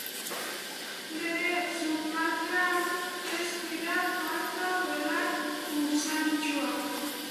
Bere sukaldean ez dira falta belar usaintsuak.